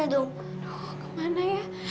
aduh kemana ya